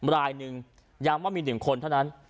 รายหนึ่งย้ำว่ามี๑คนเท่านั้น